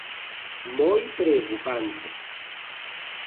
¡Moi preocupante!